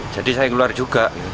jadi saya keluar juga